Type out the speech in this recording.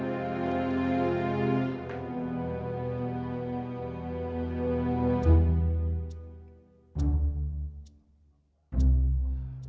ntar ya bang